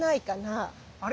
あれ？